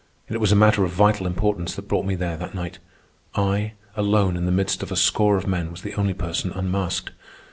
It was a matter of vital importance that brought me there that night. I, alone in the midst of a score of men, was the only person unmasked.